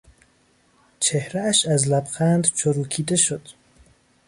چهرهاش از لبخند چروکیده شد.